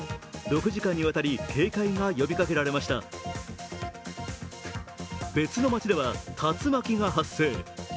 ６時間にわたり警戒が呼びかけられました別の街では竜巻が発生。